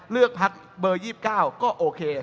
เลือกพักเบอร์๒๙ก็โอเค